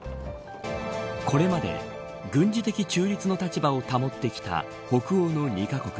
これまで軍事的中立の立場を保ってきた北欧の２カ国。